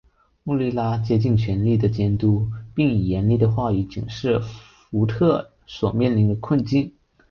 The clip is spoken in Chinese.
穆拉利竭尽全力地监督并以严厉的话语警示福特所面临的困境。